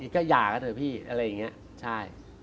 ก็หย่ากันเถอะพี่อะไรอย่างนี้ใช่